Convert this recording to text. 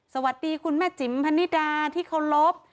สวัสดีคุณแม่จิ๋มพนิดาที่เคารพ